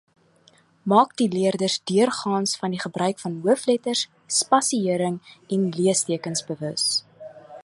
Maak die leerders deurgaans van die gebruik van hoofletters, spasiëring en leestekens bewus.